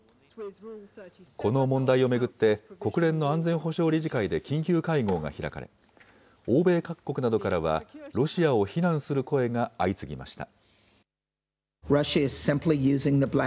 この問題を巡って、国連の安全保障理事会で緊急会合が開かれ、欧米各国などからは、ロシアを非難する声が相次ぎました。